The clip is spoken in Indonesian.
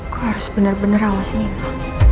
gua harus bener bener awas nino